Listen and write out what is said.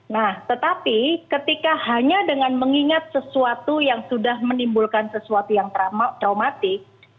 nah tetapi ketika hanya dengan mengingat sesuatu yang sudah menimbulkan sesuatu yang traumatik